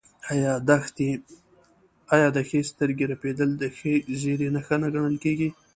آیا د ښي سترګې رپیدل د ښه زیری نښه نه ګڼل کیږي؟